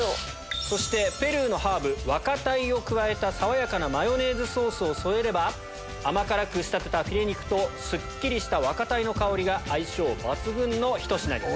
そしてペルーのハーブワカタイを加えた爽やかなマヨネーズソースを添えれば甘辛く仕立てたフィレ肉とすっきりしたワカタイの香りが相性抜群のひと品に。